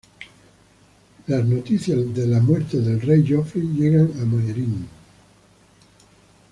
Las noticias de la muerte del rey Joffrey llegan a Meereen.